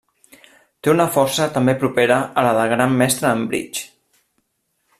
Té una força també propera a la de Gran Mestre en bridge.